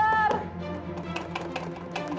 ada orang gak di luar